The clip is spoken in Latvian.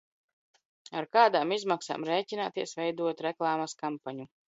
Ar kādām izmaksām rēķināties, veidojot reklāmas kampaņu?